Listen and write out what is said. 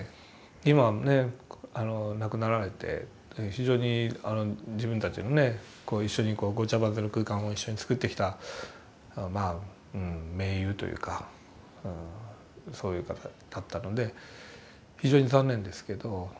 今ね亡くなられて非常に自分たちのね一緒にごちゃまぜの空間を一緒につくってきた盟友というかそういう方だったので非常に残念ですけど。